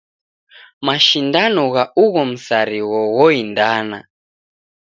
Mashindano gha ugho msarigho ghoindana.